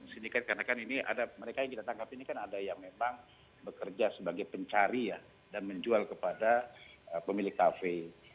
sindikat karena kan ini ada mereka yang kita tangkap ini kan ada yang memang bekerja sebagai pencari ya dan menjual kepada pemilik kafe